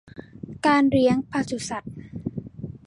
การเลี้ยงปศุสัตว์